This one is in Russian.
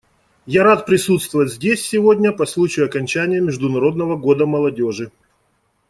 Я рад присутствовать здесь сегодня по случаю окончания Международного года молодежи.